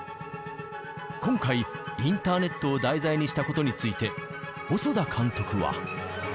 今回、インターネットを題材にしたことについて、細田監督は。